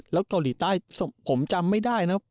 แล้วเกาหลีใต้ผมจำไม่ได้นะ